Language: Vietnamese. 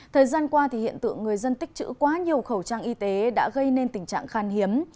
thời gian qua hiện tượng người dân tích chữ quá nhiều khẩu trang y tế đã gây nên tình trạng khan hiếm